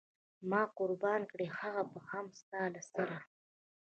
ما قربان کړ هغه هم د ستا له سره.